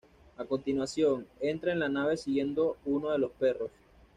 A continuación, entra en la nave siguiendo uno de los perros.